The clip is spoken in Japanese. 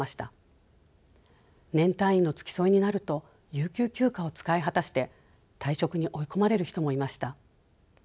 年単位の付き添いになると有給休暇を使い果たして退職に追い込まれる人もいました。